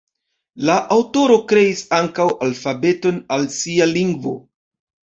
La aŭtoro kreis ankaŭ alfabeton al sia "lingvo".